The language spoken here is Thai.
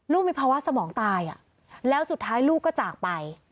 มีภาวะสมองตายแล้วสุดท้ายลูกก็จากไป